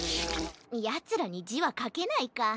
ヤツらにじはかけないか。